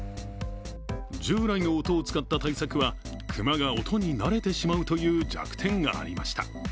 従来の音を使った対策は熊が音に慣れてしまうという弱点がありました。